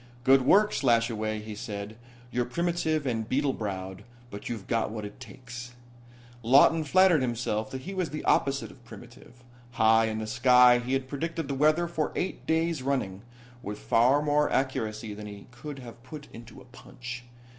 "Good work, Slashaway," he said. "You're primitive and beetle browed, but you've got what it takes." Lawton flattered himself that he was the opposite of primitive. High in the sky he had predicted the weather for eight days running, with far more accuracy than he could have put into a punch.